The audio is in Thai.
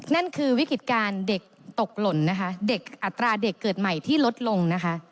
นั่นคือวิกฤติการเด็กตกหล่นอัตราเด็กเกิดใหม่ที่ลดลง